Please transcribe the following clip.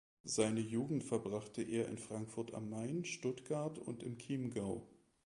Seine Jugend verbrachte er in Frankfurt am Main, Stuttgart und im Chiemgau.